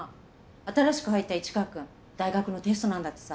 新しく入った市川くん大学のテストなんだってさ。